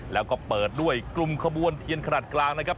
แล้วก็เปิดด้วยกลุ่มขบวนเทียนขนาดกลางนะครับ